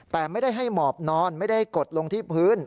แต่ไม่ได้ให้หมอบนอนไม่ได้กดลงที่พื้น